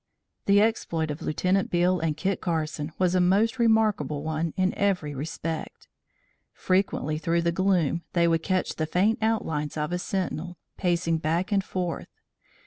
The exploit of Lieutenant Beale and Kit Carson was a most remarkable one in every respect. Frequently through the gloom they would catch the faint outlines of a sentinel, pacing back and forth.